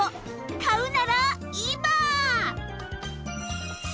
買うなら今！